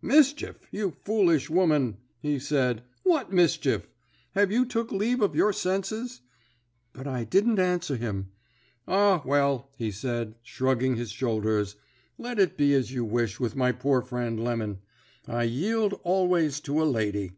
"'Mischief, you foolish woman!' he said. 'What mischief? Have you took leave of your senses?' But I didn't answer him. 'Ah, well,' he said, shrugging his shoulders, 'let it be as you wish with my poor friend Lemon. I yield always to a lady.